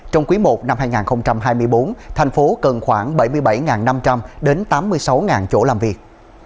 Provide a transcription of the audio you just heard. trong quý i năm hai nghìn hai mươi bốn thành phố cần khoảng bảy mươi bảy năm trăm linh đến tám mươi sáu chỗ làm việc